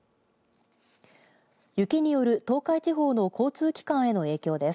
雪による東海地方の交通機関への影響です。